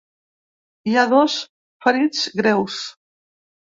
Hi ha dos ferits greus.